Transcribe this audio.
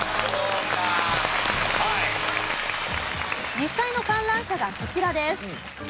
実際の観覧車がこちらです。